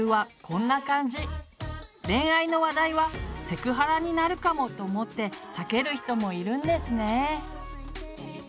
恋愛の話題はセクハラになるかもと思って避ける人もいるんですね。